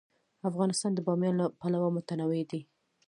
افغانستان د بامیان له پلوه متنوع دی.